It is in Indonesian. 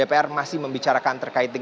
apakah ketua kpu hashim ashari akan digantikan